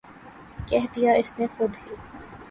کہہ دیا اس نے خود ہی